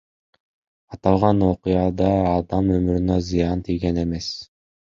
Аталган окуяда адам өмүрүнө зыян тийген эмес.